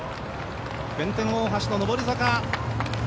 弁天大橋の上り坂。